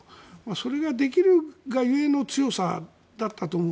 それができるが故の強さだったと思う。